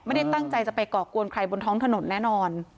ไม่ได้ตั้งใจจะไปก่อกวนใครบนท้องถนนแน่นอน